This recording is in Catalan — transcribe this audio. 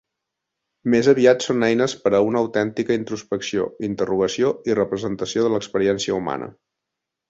Més aviat són eines per a una autèntica introspecció, interrogació i representació de l'experiència humana.